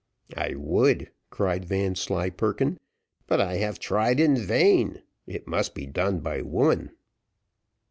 "I would," cried Vanslyperken, "but I have tried in vain. It must be done by woman."